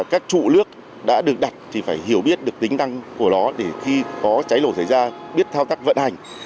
các trụ nước đã được đặt thì phải hiểu biết được tính năng của nó để khi có cháy nổ xảy ra biết thao tác vận hành